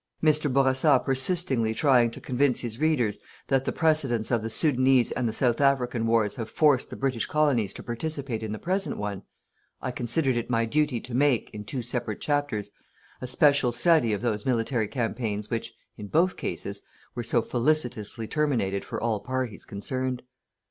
"Mr. Bourassa persistingly trying to convince his readers that the precedents of the Soudanese and the South African wars have forced the British Colonies to participate in the present one, I considered it my duty to make, in two separate chapters, a special study of those military campaigns which, in both cases, were so felicitously terminated for all parties concerned."